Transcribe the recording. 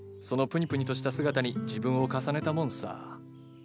そのプニプニとした姿に自分を重ねたもんさ。